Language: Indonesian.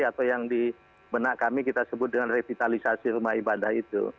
atau yang di benak kami kita sebut dengan revitalisasi rumah ibadah itu